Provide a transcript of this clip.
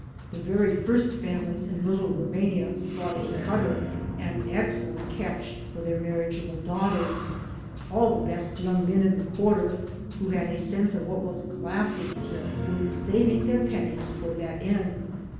The very first families in Little Rumania thought a " cotter " an excellent catch for their marriage able daughters. All the best young men in the quarter who had a sense of what was "classy" were saving their pennies toward that end.